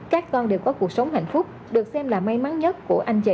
các con đều có cuộc sống hạnh phúc được xem là may mắn nhất của anh chị